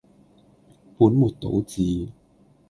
本末倒置